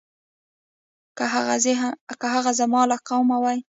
که هغه زما له قومه وي.